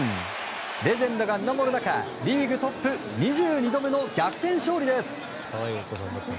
レジェンドが見守る中リーグトップ２２度目の逆転勝利です。